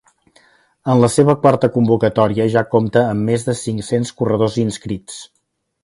En la seva quarta convocatòria ja compta amb més de cinc-cents corredors inscrits.